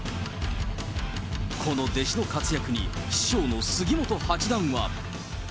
この弟子の活躍に、師匠の杉本八段は。